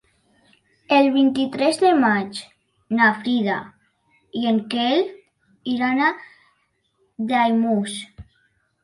El vint-i-tres de maig na Frida i en Quel iran a Daimús.